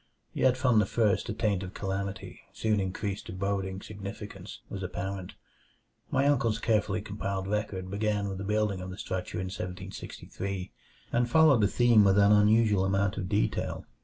Yet from the first a taint of calamity, soon increased to boding significance, was apparent. My uncle's carefully compiled record began with the building of the structure in 1763, and followed the theme with an unusual amount of detail.